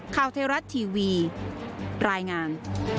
ข่าวไทยรัฐทีวีรายงาน